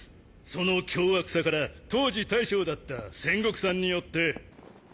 その凶悪さから当時大将だったセンゴクさんによって。